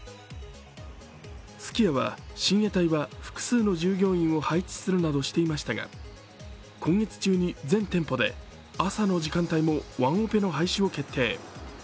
すき家は深夜帯は複数の従業員を配置するなどしていましたが今月中に全店舗で朝の時間帯もワンオペの廃止を決定。